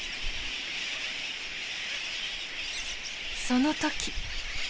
その時。